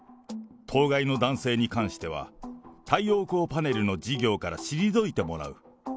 当該の男性に関しては、太陽光パネルの事業から退いてもらう。